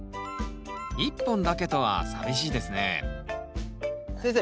１本だけとは寂しいですね先生